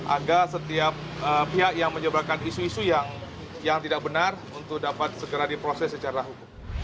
agar setiap pihak yang menyebarkan isu isu yang tidak benar untuk dapat segera diproses secara hukum